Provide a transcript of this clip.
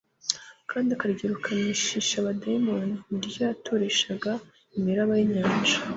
kandi akaryirukanisha abadayimoni, ni ryo yaturishaga imiraba y'inyanja,